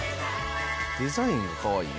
デザインがかわいいね。